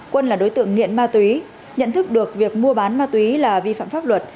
quân là đối tượng nghiện ma túy nhận thức được việc mua bán ma túy là vi phạm pháp luật